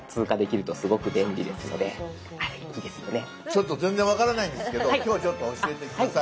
ちょっと全然分からないんですけど今日はちょっと教えて下さい。